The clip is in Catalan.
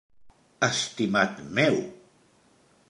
-Estimat meu!